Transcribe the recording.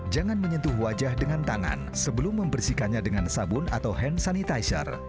jangan menyentuh wajah dengan tangan sebelum membersihkannya dengan sabun atau hand sanitizer